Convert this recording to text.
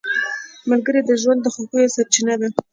ملګری د ژوند د خوښیو سرچینه ده